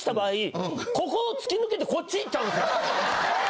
ここを突き抜けてこっち行っちゃうんですよ。